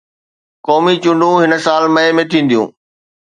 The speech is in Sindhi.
قومي چونڊون هن سال مئي ۾ ٿينديون